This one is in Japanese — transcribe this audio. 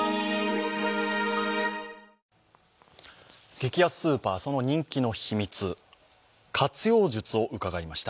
激安スーパー、その人気の秘密、活用術を伺いました。